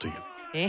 え？